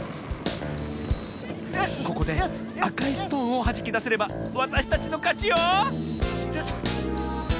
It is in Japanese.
ここであかいストーンをはじきだせればわたしたちのかちよ！